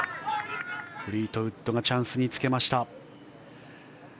フリートウッドがチャンスにつけました。